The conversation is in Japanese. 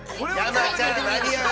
◆山ちゃん、間に合う？